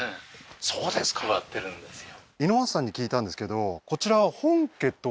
そうですか植わってるんですよ